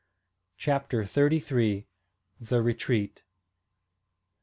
CHAPTER THIRTY THREE. THE RETREAT.